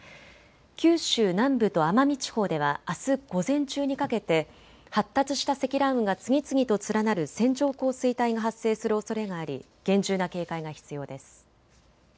九州南部と奄美地方ではあす午前中にかけて発達した積乱雲が次々と連なる線状降水帯が発生するおそれがあり厳重な警戒が必要です。